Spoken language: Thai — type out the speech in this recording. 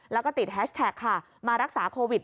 แล้วก็ติดแฮชแท็กค่ะมารักษาโควิด